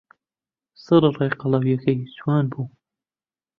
سەرەڕای قەڵەوییەکەی، جوان بوو.